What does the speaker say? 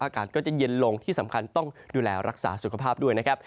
อากาศก็จะเย็นลงที่สำคัญต้องดูแลรักษาสุขภาพด้วยนะครับ